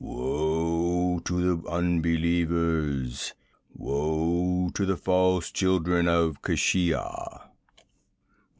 'Woe to the unbelievers! Woe to the false children of Keshia!